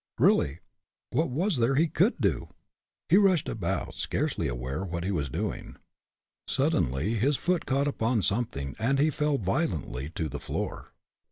Really, what was there he could do? He rushed about, scarcely aware what he was doing. Suddenly his foot caught upon something, and he fell violently to the floor.